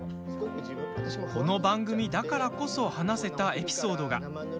この番組だからこそ話せたエピソードが。